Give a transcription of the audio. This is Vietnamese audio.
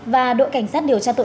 và đội cảnh sát điều tra tội phạm